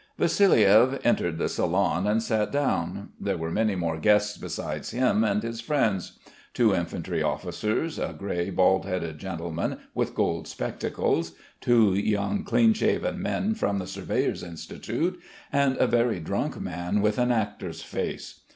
Vassiliev entered the salon and sat down. There were many more guests besides him and his friends: two infantry officers, a grey, bald headed gentleman with gold spectacles, two young clean shaven men from the Surveyors' Institute, and a very drunk man with an actor's face.